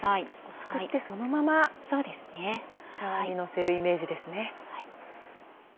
すくってそのまま茶わんにのせるイメージですね。